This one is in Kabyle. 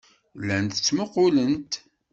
Llant ttmuqqulent.